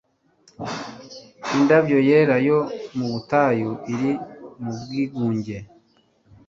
indabyo yera yo mu butayu, iri mu bwigunge